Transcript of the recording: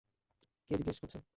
কে জিজ্ঞেস করছে?